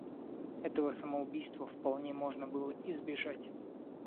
Этого самоубийства вполне можно было избежать.